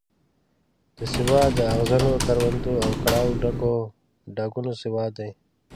دا سواد د اغزنو کروندو او کړاوه ډکو ډاګونو سواد دی.